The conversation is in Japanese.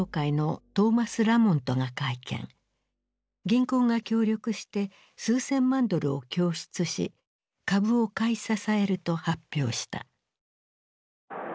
銀行が協力して数千万ドルを供出し株を買い支えると発表した。